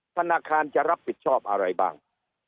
ธนาคารจะรับผิดชอบอะไรบ้าง